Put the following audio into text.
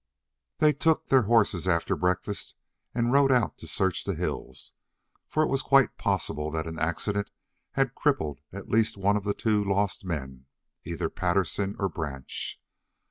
They took their horses after breakfast and rode out to search the hills, for it was quite possible that an accident had crippled at least one of the two lost men, either Patterson or Branch.